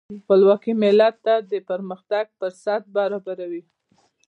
خپلواکي ملت ته د پرمختګ فرصت برابروي.